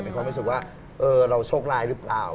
แค่เป็นความรู้สึกว่าเออเราโชคลายหรือเปล่า